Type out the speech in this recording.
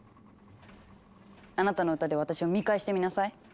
あなたの歌で私を見返してみなさい。